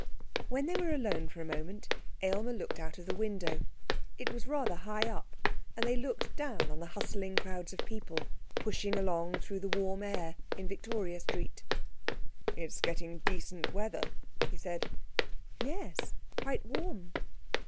When they were alone for a moment Aylmer looked out of the window. It was rather high up, and they looked down on the hustling crowds of people pushing along through the warm air in Victoria Street. 'It's getting decent weather,' he said. 'Yes, quite warm.'